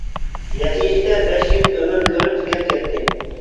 نەتىجىدە بەش يىل ئۆمۈر كۆرۈپ تۈگەپ كەتتى.